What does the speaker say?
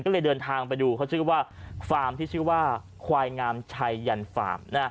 ก็เลยเดินทางไปดูเค้าชื่อว่าควายงามชัยยันฟาร์ม